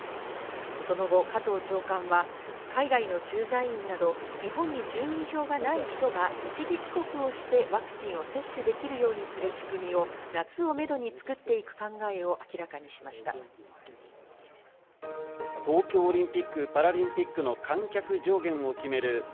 その後、加藤長官は海外の駐在員など、日本に住民票がない人が一時帰国をしてワクチンを接種できるようにする仕組みを夏をめどに作っていく考えを明らかにしました。